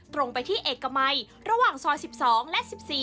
ตรงไปที่เอกมัยระหว่างซอย๑๒และ๑๔